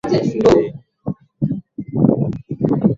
Huvaa bangili vidani vipini pete na herinidha